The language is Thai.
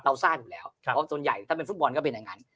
ทราบอยู่แล้วเพราะส่วนใหญ่ถ้าเป็นฟุตบอลก็เป็นอย่างนั้น